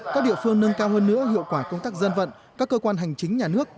các địa phương nâng cao hơn nữa hiệu quả công tác dân vận các cơ quan hành chính nhà nước